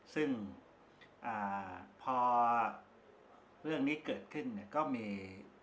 ซึ่งพอเรื่องนี้เกิดขึ้นก็มี